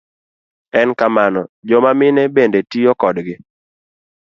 En kamano, joma mine bende tiyo kodgi.